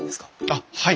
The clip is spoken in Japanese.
あっはい。